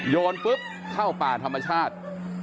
โยนปุ๊บเข้าป่าธรรมชาติ